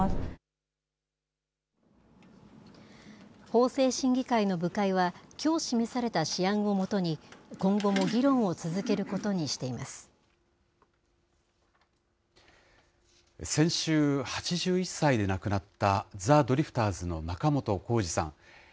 法制審議会の部会は、きょう示された試案を基に、今後も議論を続けることにしています。先週、８１歳で亡くなった、ザ・ドリフターズの仲本工事さん。